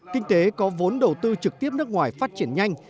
kinh tế có vốn đầu tư trực tiếp nước ngoài phát triển nhanh